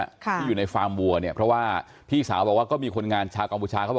ที่อยู่ในฟาร์มวัวเพราะว่าพี่สาวบอกว่าก็มีคนงานชากัมภูชา